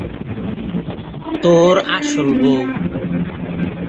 তোর আসল বৌ।